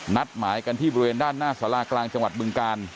นัดหมายกันที่บริเวณด้านหน้าสารากลางจังหวัดบึงกาล